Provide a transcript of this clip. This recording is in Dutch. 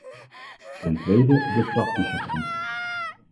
Ten tweede de praktische kant.